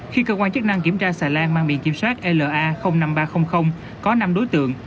khi cơ quan chức năng kiểm tra xà lan mang biển kiểm soát la năm nghìn ba trăm linh có năm đối tượng